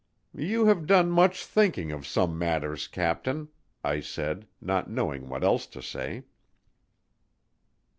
"You have done much thinking of some matters, captain," I said, not knowing what else to say.